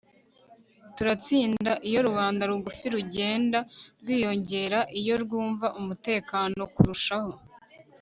Turatsinda iyo rubanda rugufi rugenda rwiyongera iyo rwumva umutekano kurushaho